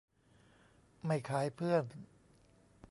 ไม่ขายเพื่อน